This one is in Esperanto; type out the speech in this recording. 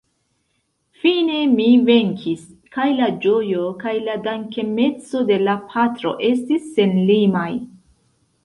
Fine mi venkis, kaj la ĝojo kaj la dankemeco de la patro estis senlimaj.